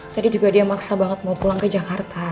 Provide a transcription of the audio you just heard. tadi juga dia maksa banget mau pulang ke jakarta